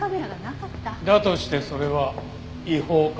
だとしてそれは違法か？